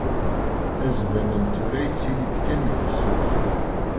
Azdam n tura yettili-d kan i tefsut.